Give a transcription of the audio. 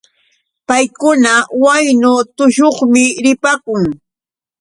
Paykuna waynu tushuqmi ripaakun.